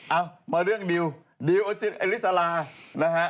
เอ้ามาเรื่องดิวดิวเอลิซาลา